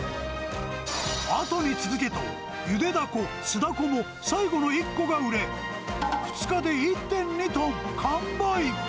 あとに続けと、ゆでダコ、酢ダコも最後の１個が売れ、２日で１．２トン完売。